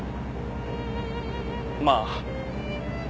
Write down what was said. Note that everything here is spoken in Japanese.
まあ。